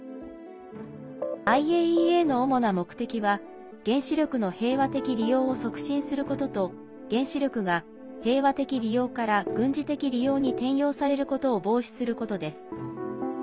ＩＡＥＡの主な目的は原子力の平和的利用を促進することと原子力が平和的利用から軍事的利用に転用されることを防止することです。